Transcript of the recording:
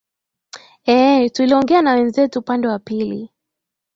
ee tuliongea na wenzetu upande wa pili